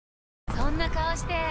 そんな顔して！